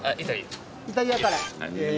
イタリアから？